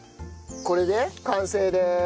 これで完成です。